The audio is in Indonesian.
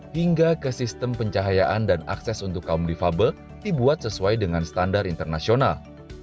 hingga ke sistem pencahayaan dan akses untuk kaum difabel dibuat sesuai dengan standar internasional